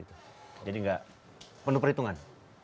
jadi tidak penuh perhitungan